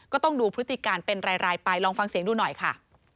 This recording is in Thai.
ก็ต้องดูพฤติการเป็นรายไปลองฟังเสียงดูหน่อยค่ะ